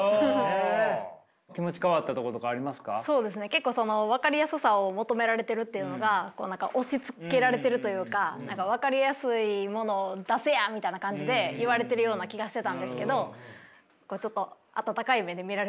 結構その分かりやすさを求められてるっていうのが押しつけられているというか分かりやすいものを出せやみたいな感じで言われてるような気がしてたんですけどちょっと温かい目で見られるようになったというか。